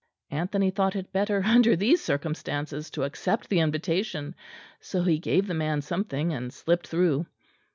Anthony thought it better under these circumstances to accept the invitation, so he gave the man something, and slipped through.